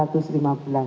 dari bpjs ketenagakerjaan